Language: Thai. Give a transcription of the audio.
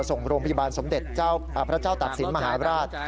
ส่งโรงพยาบาลสมเด็จพระเจ้าตัดสินมหาวิทยาลัยราช